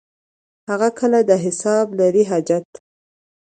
هغه کله د حساب لري حاجت.